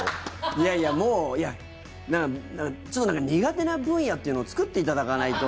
いやいや、もうちょっと苦手な分野というのを作っていただかないと。